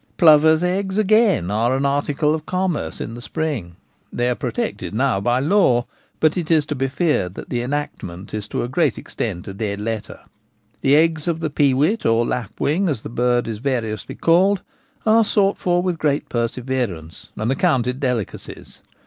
Plovers' eggs, again, are an article of commerce in the spring ; they are protected now by law, but it is to be feared that the enactment is to a great extent a dead letter. The eggs of the peewit, or lapwing, as the bird is variously called, are sought for with great perseverance, and accounted delicacies.